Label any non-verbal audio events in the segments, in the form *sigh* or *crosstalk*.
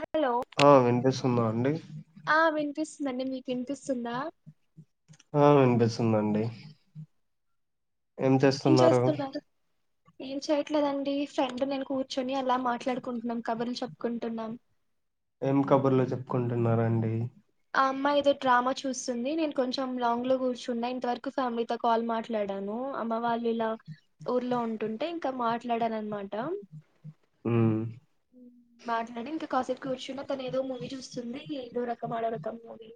Hello ఆ వినిపిస్తుందా అండి. పిస్తుందండి, మీకినిపిసుందా. ఆ వినిపిసుందండి. ఏం చేస్తున్నారు. ఏం చేయట్లేదండి, ఫ్రెండ్ నేను కూర్చొని అలా మాట్లాడుకుంటున్నాం., కబుర్లు చెప్పుకుంటున్నాం. ఏం కబుర్లు చెప్పుకుంటున్నారండి. ఆ అమ్మాయి ఎదో డ్రామా చూస్తుంది. నేను కొంచెం లాంగ్ లో గూర్చున్నా ఇంతవరకు ఫ్యామిలీతో కాల్ మాట్లాడాను. ఊ అమ్మ వాళ్ళు ఇలా ఊర్లో ఉంటుంటే ఇంకా మాట్లాడానన్ మాట. ఊమ్మ్ మ్మ్ మాట్లాడి ఇంకా. కాసేపు కూర్చున్న తన ఏదో మూవీ చూస్తుంది ఇడో రకం ఆడో రకం మూవీ.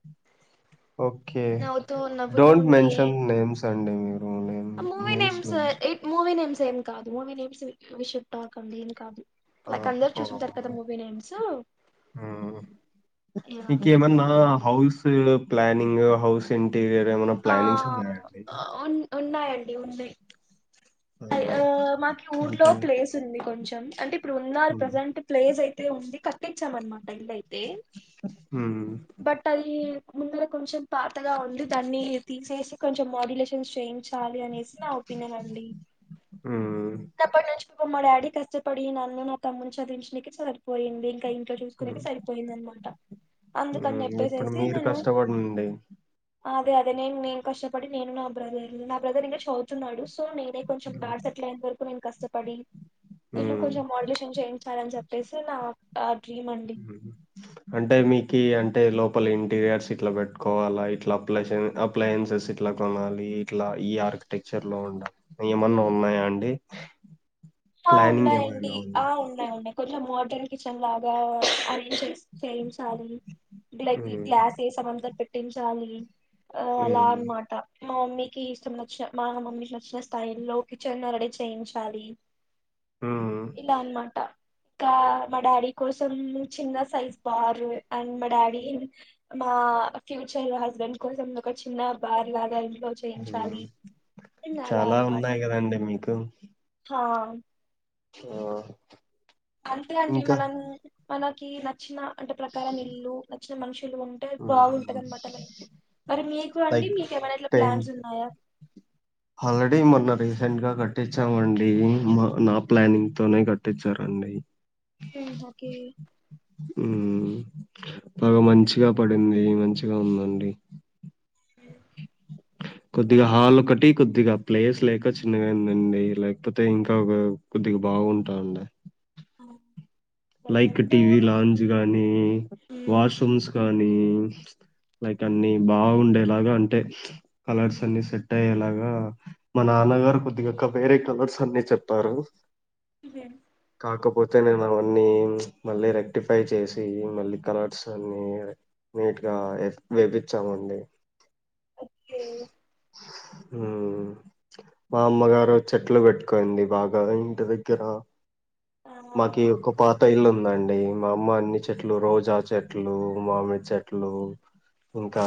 ఓకే. నవ్వుతూ నవ్వుతూ డోంట్ ఉంటే మెన్షన్ ఏం నేమ్స్ అండి మీరు నేమ్, నేమ్స్ మెన్. ఏం ఎయిట్ మూవీ నేమ్స్ ఏం కాదు మూవీ నేమ్స్ విషుటాక్ అండి ఏం కాదు. ఆ లైక్ అందరు ఆ చూసుంటారు కదా మూవీ నేమ్సు ఇంకేమన్నా హౌసులు ప్లానింగు హౌస్ ఇంటీరియర్ ఏమన్నా ఆ ప్లానింగ్స్ ఉన్నాయ అండి. ఉన్ ఉన్నాయండి ఉన్నాయ్ ఆ మాకి ఊర్లో అంటే ప్లేస్ ఉంది కొంచెం అంటే ఇప్పుడు ఉన్నారు మ్మ్ ప్రజెంట్ ప్లేస్ అయితే ఉంది క కట్టిచనమాట ఇళ్లయితే మ్మ్ బట్ అది ముందర కొంచెం పాతగా ఉంది దాన్ని తీసేసి కొంచెం మాడ్యులేషన్ చేయించాలి అనేసి. నా ఒపీనియన్ అండి మ్మ్ ఇగ అప్పటి నుంచి మా డాడీ కష్టపడి నన్ను నా తమ్ముని చదివించడానికి సరిపోయింది ఇంక ఇ ఇంట్లో మ్మ్ చూసుకునేకి సరిపోయింది అనమాట అందుకని మ్మ్ ఇప్పుడు చెప్పేసేసి మీరు నేను కష్టపడండి అదే అదే నేను నేను కష్టపడి నేను నా బ్రదరు నా బ్రదర్ ఇంకా చదువుతున్నాడు. సో నేనే కొంచెం డాడ్ సెటిల్ అయ్యేంత వరకు నేను కష్టపడి ఇల్లు మ్మ్ కొంచెం మాడిలేషన్ చేయి చాలని చెప్పేసి నా ఆ డ్రీమ్ అండి ఉహు అంటే మీకి అంటే లోప్ లోపల ఇంటీరియర్స్ ఇట్లా పెట్టుకోవాలా ఇట్లా ప్లేసెంతా అప్లెన్సెస్ ఇట్లా కొనాలి ఇట్లా ఈ యర్ ఆర్కిటెక్చర్ లో ఉండ ఏమన్న ఉన్నాయా అండి. ఆ ప్లానింగ్ ఉన్నాయండి ఏమైనా ఆ ఉందా? ఉన్నాయ్ ఉన్నాయ్ కొంచెం మోడ్రన్ కిచెన్ లాగా అన్ని సెట్స్ చేయించాలీ లైక్ హ్మ్. గ్లాసెస్ అంతా పెట్టించాలి. అ అలా హ్మ్. అనమాటా మా మమ్మీకి ఇష్టమనిచ్చామా మమ్మీకి నచ్చిన స్టైల్ లో కిచెన్ రెడీ చేయించాలి. హ్మ్. ఇలా అనమాటా ఇంకా మా డాడీ కోసం చిన్న సైజ్ బార్ అండ్ మా డాడీ మా ఆ ఫ్యూచర్ హస్బెండ్ కోసం ఒక చిన్న బార్ లాగా ఇంట్లో హ్మ్. చేయించాలి ఇన్ అలా చాలా అన్నమాట ఉన్నాయి గదండీ మీకు. ఆ ఆ అంతే అండి ఇంకా మనం మనకి నచ్చిన అంటే ప్రకారం ఇల్లు నచ్చిన మనుష్ లు ఉంటే హ్మ్. బాగుంటదన్నమాట లైఫు మరి మీకు అండీ లైక్ మీకేమైనా ఇట్లా ప్లాన్స్ ఉన్నాయా హాల్రెడీ మొన్న రీసెంట్ గా గట్టించామండి మ నా ప్లానింగ్ తోనే గట్టిచ్చారనండి. ఉన్నాయ్ ఉ ఓకే ఉ బాగా మంచిగా పడింది మంచిగా ఉందండి *inaudible* కొద్దిగా హాల్ ఒకటి కొద్దిగా ప్లేస్ లేక చిన్నగా అయిందండీ లేకపోతే ఇంకా ఒక కొద్దిగ బ బాగుంటండ్య ఆ, లైక్ ప్రజెంట్ టీవీ లాంజ్ గానీ ఉహు వాష్రూమ్స్ కానీ లైక్ అన్ని బాగుండేలాగ అంటే కలర్సన్నీ సెట్ అయ్యే లాగా మా నాన్నగారు కొద్దికక్క వేరే కలర్స్ అన్నీ చెప్పారూ. ఇదేమ్ కాకపోతె నేను అవన్నీ చ్ మళ్ళీ రెక్టిఫై చేసి మళ్లి కలర్స్ అన్నీ నీటిగా ఏప్ వేపిచ్చామండి ఓకే ఉ మా అమ్మగారు చెట్లు పెట్టుకుంది బాగా ఇంటి దగ్గర. ఆ మాకీ ఒక పాత ఇల్లు ఉందండి డి మా అమ్మ అన్ని చెట్లు, రోజా చెట్లు మామిడి చెట్లు ఇంకా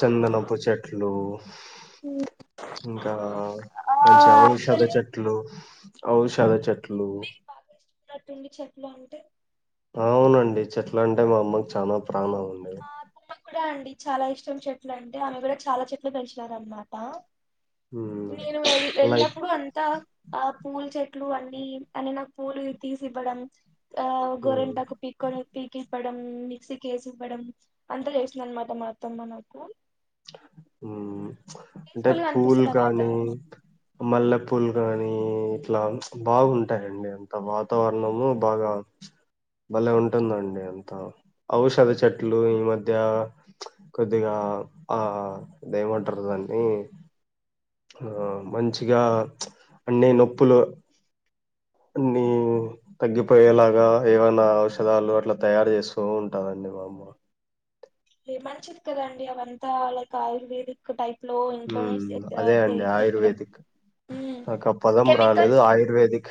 చందనపు చెట్లూ ఇంకా ఆ మంచి ఔషధ యాక్చువల్లీ మీ చెట్లు ఔషధ చె మమ్మీకి బాగ ఇష్టమున్నట్టుంది చెట్లు అంటే. ఆవునండి చెట్లంటే మా అమ్మకి చానా ప్రాణం అండి మా అత్తమ్మ కి కూడా అండి చాలా ఇష్టం. కొన్ని చెట్లు అంటే, ఆమె గుడా చాలా చెట్లు పెంచినారన్నమాటా. మ్మ్ నేను వెళ్ లైక్ ఎళ్ళినప్పుడు అంతా ఆ పూల్ చెట్ లు అన్నీ అని నాకు పూలు తీసివ్వడం, ఆ మ్మ్ గోరెంటాకు పీక్కొని, పీకిస్తడ్. మ్మ్ మిక్సీకేసి ఇవ్వడం, అంతా చేస్తుందిన్నమాట మా అత్తమ్మ నాకూ. మ్మ్ అంటే గా పువ్వుల్ అనిపిస్తది ఆ కానీ, వాతావరణం మల్లె పూలు గానీ మ్మ్ ఇట్ల బాగుంటాయండి అంత వాతావరణమూ బాగా బలే ఉంటుందండి అంతా. ఔషధ చెట్లూ ఈ మధ్యా ప్చ్! కొద్దిగా ఆఆ డేమంటరు దాన్నీ? ఆ మంచిగా ప్చ్! అన్నీ నొప్పులు అన్నీ తగ్గిపోయేలాగా ఏమన్నా ఔషదాలు అట్ల తయారు జేస్తూ ఉంటదండి మా అమ్మా. ఎ మంచిది కదండి అవంతా లైక్ ఆయుర్వేదిక్ టైప్ లో ఇంట్లోనే చె ఆ చెయ్ చెయ్యడం. ఒక పదం రాలేదు. ఆయుర్వేదిక్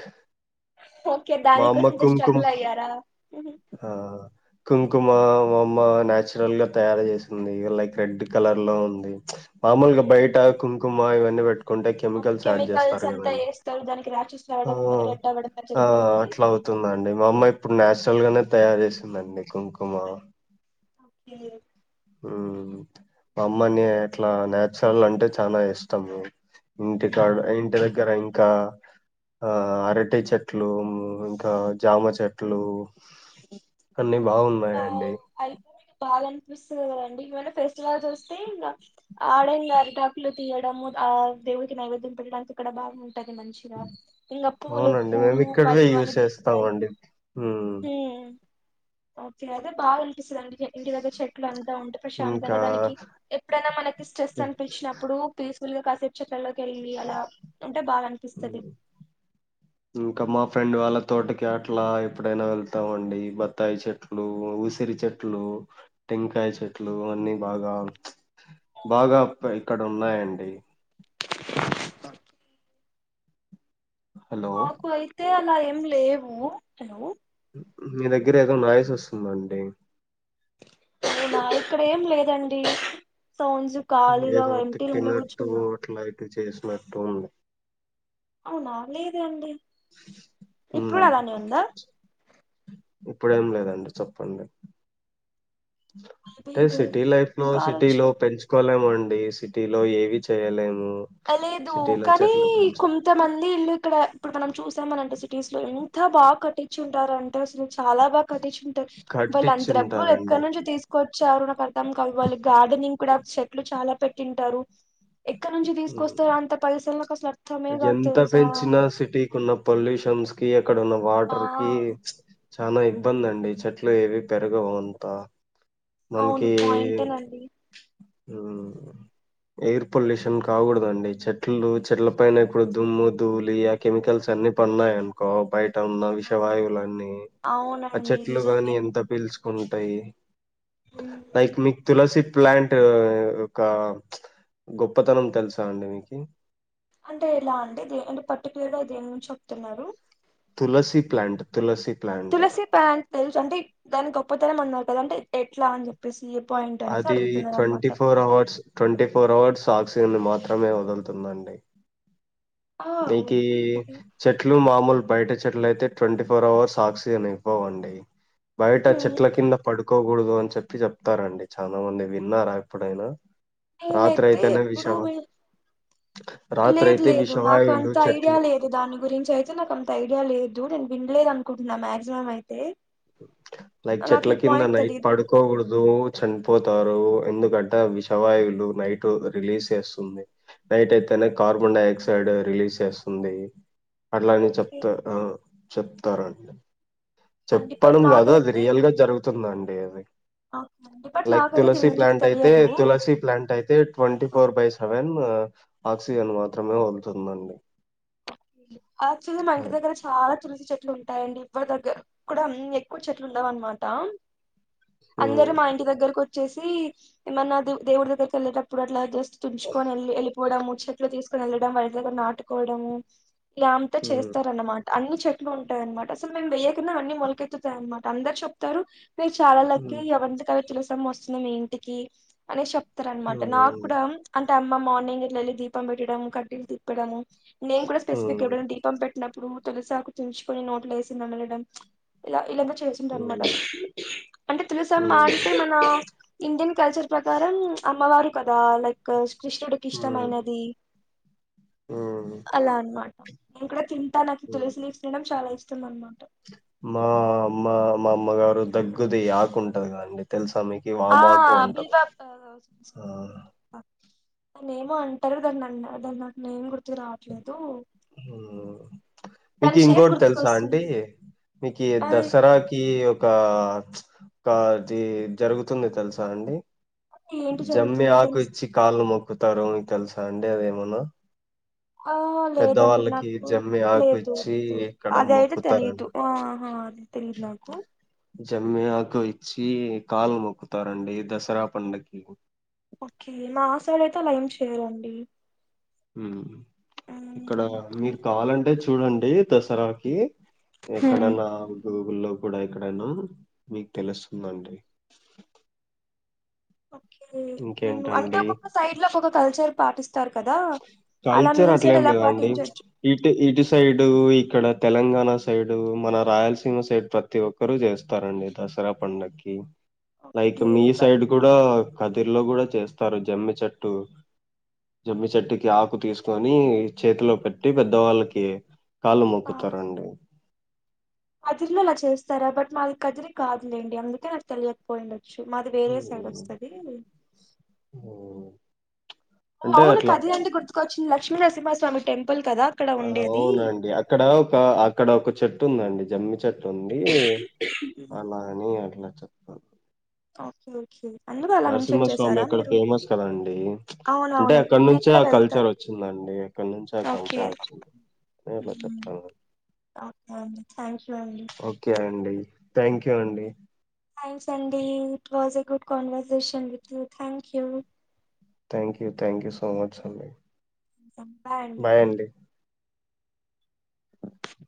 ఓకే మా ఆమ్మ దానికోసం ఇంత కుంకుమ్, స్ట్రగుల్ అయ్యారా ఆ కుంకుమ్ మా అమమ్మా నాచురల్ గా తయారు చేసింది. లైక్ రెడ్ కలర్ లో ఉంది. ప్చ్! మామలుగా బయట కుంకుమ ఇవన్నీ బెట్ కుంటే అవును కెమికల్స్ యాడ్ చేస్తారు కెమికల్స్ అంతా గదని, వేస్తారు దానికి ర్యాషెస్ ఆ రావడం రెడ్ అవ్వడం ఆ జరుగుతది అట్లవు తుందండి మా అమ్మ ఇప్పుడు నాచురల్ గనే తయారు జేసిందండి కుంకుమా. ఒక్కే మ్మ్ అమ్మని ఇట్లా నాచురల్ అంటే చాల ఇష్టం ఇంటి కాడ ఇంటి దగ్గర ఇంకా ఆ అరటి చెట్లు ఇంక జామ చెట్లు అన్ని బాగున్నాయండి వస్తది కదండి ఏమైనా ఫెస్టివల్ వస్తే ఇంక ఆడే ఇంగ అరిటాకులు తీయడము ఆ దేవునికి నైవద్యం పెట్టడానికి ఇక్కడ బాగు టది మంచిగా ఇంకా పూలు అవునండి మేము పూలు ఇక్కడివే పళ్ళు యూజ్ అని దొరుకుతాయి చేస్తామండి. హ్మ్ మ్మ్ ఓకే అయితే బాగా అనిపిస్తుంది ఇంటి దగ్గర చెట్లు అం ఇంకా ప్రశాంతంగా దానికి ఎప్పుడైనా మనకి స్ట్రెస్ అనిపించినప్పుడు పీ పీస్ ఫుల్గా కాసేపు చెట్టల్లోకి వెళ్ళి అలా బాగా అనిపిస్తది ఇంక మా ఫ్రెండ్ వాళ్ళు తోటకి అట్లా ఎప్పుడైనా వెళ్తామండి బత్తాయి చెట్లు ఉసిరి చెట్లు టెంకాయ చెట్లు అన్నీ బాగా బాగాబ్ ఇక్కడ ఉన్నాయండి హలో మాకు అయితే అలా ఏం లేవు హలో మీ దగ్గర ఏదో నాయిస్ వస్తుంది అండి అవునా ఇక్కడ ఏం లేదండి సౌండ్స్ ఖాళీగా ఏదో పెట్టి ఇంట్లో కూర్చుకున్నా మా ఇంట్లో ఉన్నాయ్ బా లేదండి ఇప్పుడు హ్మ్ అలానే ఉందా ఇప్పుడేం లేదండి చెప్పండి అంటే సిటీ లైఫ్ లో సిటీ గాలొచ్చి లో పెంచుకోలేమ్ అండి ఈ సిటీ లో ఏవి చేయలేము. అ లేదు సిటీలో కానీ చెట్లు పెంచి కొంతమంది ఇల్లు ఇక్కడ ఇప్పుడు మనం చూసామన అంటే సిటీస్ లో ఎంత బాగా కట్టించుంటారు అంటే అసలు చాలా బాగా కట్టించు వాళ్లు అంత డబ్బులు కట్టించుంటారండి. ఎక్కడ నుంచి తీసుకో త్ తెచ్చారు నాకు అర్థం కాదు వాళ్ళు గార్డెనింగ్ కూడా చెట్లు చాలా పెట్టింటరు ఎక్కడ నుంచి తీ కాదు ఎంత తెలుసా పెంచినా సిటీకి ఉన్న పొల్యూషన్స్ కి అక్కడ ఉన్న ఆ వాటర్ కీ చ్ చానా ఇబ్బంది అండి చెట్లు ఏవి పెరగవు అంతా అవును మనకీ పాయింటేనండి ఉమ్ ఎయిర్ పొల్యూషన్ కాకూడదండి. చెట్లు చెట్ల పైన ఇప్పుడు దుమ్ము దూలి ఆ కెమికల్స్ అ అన్ని పన్నాయినుకో బయట్ టవున్నా ఆ విషవాయువులన్నీ ఆ అవునండి చెట్లు గాని నిజమే ఎంత పీల్చుకుంటయ్. ఉమ్. లైక్ మీక్ తులసి ప్లాంట్ యొక్క గొప్పతనం తెలుసా? అండి మీకి అంటే ఎలా అంటే దే పర్టికులర్ గా దేని గురించి చెప్తున్నారు. Tulsi plant tulsi plant. Tulsi plant తెలుసు అంటే దాని గొప్పతనం అన్నారు కదా ఎట్లా అని చెప్పేసి ఎప్ అది twenty four hours twenty four hours oxygen నీ మాత్రమే వదులుతుందండి. ఆ మీకి చెట్లు మాముల్ బయట చెట్ల అయితే ట్వంటీ ఫోర్ అవర్స్ ఆక్సిజన్ ఇవ్వవండి. బయట హ్మ్ చెట్ల కింద పడు అకోకూడదు అని చెప్పి చెప్తారండి చానా మంది విన్నారా ఎప్పుడైనా రాత్రి నేనైతే అయితే నే ఎప్పుడు విషా విన్- రాత్రి లేదు అయితే లేదు విష నాకు అంత ఐడియా లేదు దాని గురించి అయితే నాకు అంత ఐడియా లేదు. నేను విన్ లేదు అనుకుంటున్నా మాక్సిమమ్ అయితే లైక్ నాకు చెట్ల ఈ కింద పాయింట్ నైట్ తెలీదు పడుకోకూడదు చనిపోతారు. ఎందుకంటే విషవాయువులు నైట్ రిలీజ్ చేస్తుంది. నైట్ అయితేనే కార్బన్ డై ఆక్సైడ్ రిలీజ్ చేస్తుంది. అట్లా అని అని ఓకే చెప్తార్ ఆ చెప్తారండ. అండి బట్ చెప్పడం కాదు అది రియల్ గా జరుగుతుందండి అది అవును లైక్ తులసి ప్లాంట్ అయితే తులసి ప్లాంట్ అయితే ట్వంటీ ఆ ఫోర్ బై సెవెన్ ఆక్సిజన్ మాత్రమే వదులుతుందండి. యాక్చువాల్గా మా ఇంటి అది. దగ్గర చాలా తులసి చెట్లు ఉం ఉంటాయి అండి మా దగ్గర ఇక్కడ ఎక్కువ చెట్లు ఉండవు అనమాట అందరు హ్మ్. మా ఇంటి దగ్గరకు వచ్చేసి ఏమన్నా ద్ దేవుడి దగ్గరికి వెళ్ళేటప్పుడు అట్లా జస్ట్ తుంచుకొని వెళ్ వెళ్ళిపోవడము, చెట్లు తీసుకొని వెళ్ళడం, వాళ్ ఇంటి దగ్గర నాటుకోవడము ఈగా అంత హ్మ్. చేస్తార్ అన్నమాట అన్ని చెట్లు ఉంటాయి అనమాట అసలు మేము వెయ్యకున్నా అన్ని మొలకెత్తుతాయి అనమాట అందరు చెప్తారు. మీరు చాల లక్కీ హ్మ్. అవంత కవి తులుసమ్మ వస్తుంది. మీ ఇంటికి అనేస్ చెప్ ఇస్తార హ్మ్. అనమాట నాకు అవును. కూడా అంటే అమ్మ మార్నింగ్ ఎట్ల ఏళ్ళి దీపం పెట్టడము, కడ్డీలు తిప్పడము నేను కూడా స్పెసిఫక్ హ్మ్. ఎప్పుడన్నా దీపం పెట్ చిన్నప్పుడు తులిసాకు తుంచుకొని నోట్లు ఏసి నమాలడం చ్ ఇల హ్మ్. ఏలేదించి అంటే హ్మ్. తులసమ్మనితే మన ఇండియన్ కల్చర్ ప్రకారం అమ్మవారు కదా లైక్ కృష్ణుడికి హ్మ్. ఇష్టమైనది హ్మ్. అలా అనమాట నేను కూడా తన్ తనకు హ్మ్. తులసి తినడం చాలా ఇష్టం అనమాట మా అమ్మ మా అమ్మగారు దగ్గుది ఆకుంటది కండి తెలుసు ఆ బిల్వప్ ఆ దనే ఏమో అంటరు దాన్నిన్న దాన్నినన్ నాకు నేమ్ గుర్తుకు రావట్లేదు. హలో మీకు దాని షేప్ ఇంకోటి తెలుసా అండి? గుర్తుకొస్తుంది మీకు ఆ దసరాకి ఓక్ కా చి కి జరుగుతుంది తెలుసా అండి ఏంటి జమ్మి జరుగుతుంది ఆకు దాని ఇచ్చి కాళ్ళ మొక్కుతారుకు తెలుసా అండి అదేమనా ఆ లేదండి నాకు జమ్మి ఆకు లేదు ఇచ్చి లేదు ఇక్కడ అద అయితే తెలియదు మొక్కుతారండి ఆహా అ తెలీదు నాకు జమ్మి ఆకు ఇచ్చి కాలు మొక్కుతారండి దసరా పడుకి ఓకే మా సీడ్ అయితే అలా ఎం చేయరండి హు ఇక్కడ మ్మ్. మీరు కావాలంటే చూడండి దసరాకి హ్మ్ ఎక్కడన్నా గూగుల్లో కూడా ఇక్కడనా మీకు తెలుస్తుందండి ఓకే నేను అంటే ఇంకేంటండి ఒక్కొక్క సైడ్ లో ఒక్కొక్క కల్చర్ పాటిస్త కల్చర్ అట్లా ఏం లేదాండి ఛీ పాటించొచ్చు ఇటు ఇటు సైడ్ ఇక్కడ తెలంగాణ సైడు మన రాయలసీమ సైడ్ ప్రతి ఒక్కరు చేస్తారండి దసరా పడుగకి లైక్ ఓకే మీ బట్ సైడ్ కూడా కల్ తీర్లో కూడా చేస్తారు జమ్మి చెట్టు జమ్మి చెట్టుకి ఆకు తీసుకొని చేతిలో పెట్టి పెద్దవాళ్ళకి కాళ్ళు మొక్కుతారండి కదిరి లో అలా చేస్తారా బట్ మాది కదిరి కాదులేండి అందుకే నాకు తెలియకపోయిండ షో మాది వేరే సైడ్ హ్మ్ వస్తుది హ్మ్ అంటే అవును అట్లా కదిరి అంటే గుర్తుకుచ్చి లక్ష్మీరసింహస్వామి టెంపుల్ కదా అక్కడ ఉండేది అవునండి అక్కడ ఒక అక్కడ ఒక చెట్టు ఉందండి జమ్మి చెట్టు *unintelligible* కఒకే ఒకే నరసింహస్వామి అక్కడ ఫేమస్ కదండి అంటే అవునవును అక్కడ నేను నుంచే కూడా ఆ కల్చర్ వెళ్తాను వచ్చిందం అందే ఎక్కడ నుంచి ఆ ఓకే కల్చర్ వచ్చింది నేను ఇట్లా మ్మ్. చెప్తాను ఓకే అండి థ్యాంక్ యూ అండి అడి థ్యాంక్ యూ అండి థ్యాంక్స్ అండి it was a good conversation with you thank you thank you thank you so much సంయ చెప్పాలండి అదే